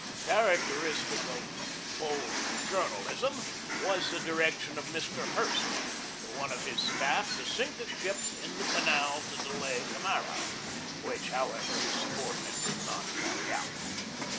Characteristic of bold journalism was the direc tion of Mr. Hearst to one of his staff to sink a ship in the canal to delay Camara, which, however, his subordinate did not carry out.